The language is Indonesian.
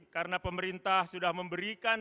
karena pemerintah sudah memberikan